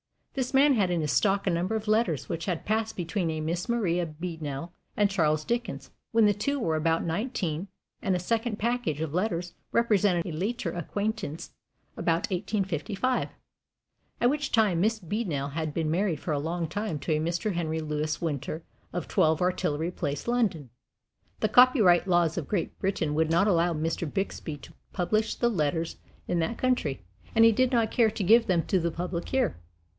This man had in his stock a number of letters which had passed between a Miss Maria Beadnell and Charles Dickens when the two were about nineteen and a second package of letters representing a later acquaintance, about 1855, at which time Miss Beadnell had been married for a long time to a Mr. Henry Louis Winter, of 12 Artillery Place, London. The copyright laws of Great Britain would not allow Mr. Bixby to publish the letters in that country, and he did not care to give them to the public here.